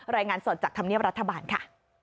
รายงานสดจากธรรมเนียบรัฐบาลค่ะ